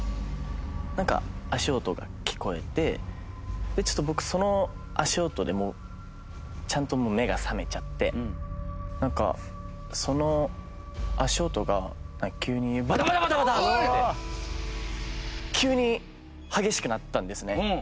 なんか足音が聞こえてちょっと僕その足音でちゃんと目が覚めちゃってなんかその足音が急にバタバタバタバタ！って急に激しくなったんですね。